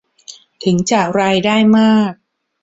ถึงจะรายได้มาก